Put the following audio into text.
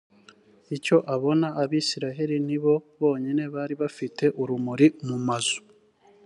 icyo abona abisirayeli ni bo bonyine bari bafite urumuri mu mazu